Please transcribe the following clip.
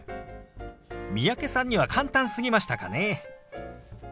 三宅さんには簡単すぎましたかね。